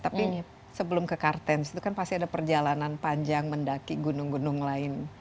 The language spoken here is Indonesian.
tapi sebelum ke kartens itu kan pasti ada perjalanan panjang mendaki gunung gunung lain